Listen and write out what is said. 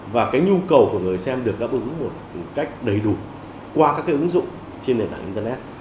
và cái nhu cầu của người xem được đáp ứng một cách đầy đủ qua các cái ứng dụng trên nền tảng internet